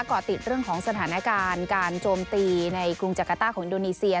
เกาะติดเรื่องของสถานการณ์การโจมตีในกรุงจักรต้าของอินโดนีเซีย